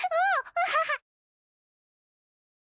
アハハ！